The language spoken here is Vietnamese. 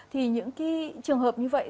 thì những cái trường hợp như vậy